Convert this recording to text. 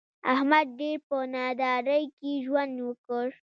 احمد ډېر په نادارۍ کې ژوند وکړ.